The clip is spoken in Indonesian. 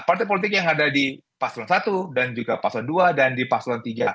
partai politik yang ada di paslon satu dan juga paslon dua dan di paslon tiga